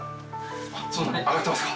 そんなに上がってますか？